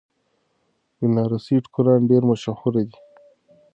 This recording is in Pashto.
بنارسي ټوکران ډیر مشهور دي.